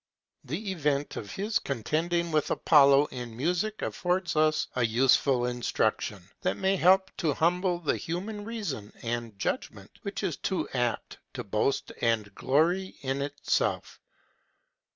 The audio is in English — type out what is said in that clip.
The event of his contending with Apollo in music affords us a useful instruction, that may help to humble the human reason and judgment, which is too apt to boast and glory in itself.